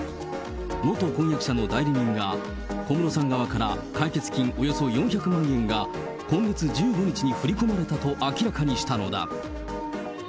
元婚約者の代理人が、小室さん側から解決金およそ４００万円が、今月１５日に振り込まれたと明らかにしたのだ。